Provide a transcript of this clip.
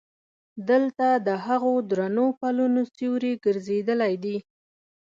دلته د هغو درنو پلونو سیوري ګرځېدلی دي.